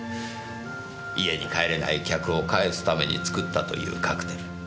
家に帰れない客を帰すために作ったというカクテル。